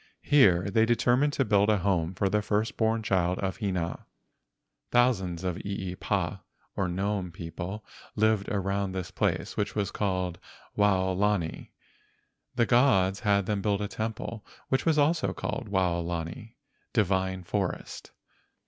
Here they determined to build a home for the first born child of Hina. Thousands of eepa (gnome) people lived around this place, which was called Waolani. The gods had them build a temple which was also called Waolani (divine forest).